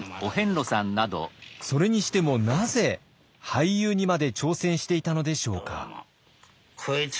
それにしてもなぜ俳優にまで挑戦していたのでしょうか。